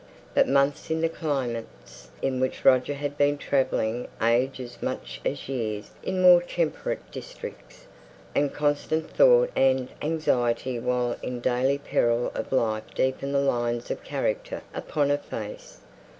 But months in the climates in which Roger had been travelling age as much as years in more temperate regions. And constant thought and anxiety while in daily peril of life deepen the lines of character upon the face.